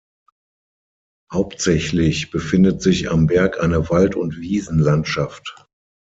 Hauptsächlich befindet sich am Berg eine Wald- und Wiesenlandschaft.